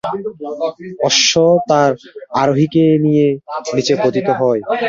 অশ্ব তার আরোহীকে নিয়ে নিচে পতিত হয়।